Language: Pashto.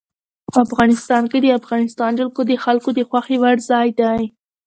افغانستان کې د افغانستان جلکو د خلکو د خوښې وړ ځای دی.